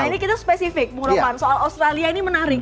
nah ini kita spesifik soal australia ini menarik